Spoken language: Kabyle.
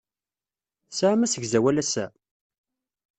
Tesɛam asegzawal ass-a?